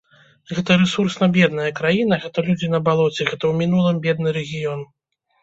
Гэта рэсурсна бедная краіна, гэта людзі на балоце, гэта ў мінулым бедны рэгіён.